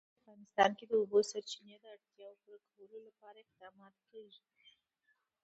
په افغانستان کې د د اوبو سرچینې د اړتیاوو پوره کولو لپاره اقدامات کېږي.